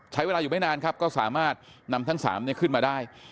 ใช้เวลาอยู่ไม่นานครับก็สามารถนำทั้ง๓ขึ้นมาได้